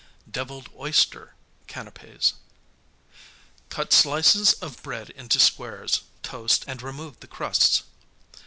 66 Deviled Oyster Canapķs Cut slices of bread into squares, toast and remove the crusts.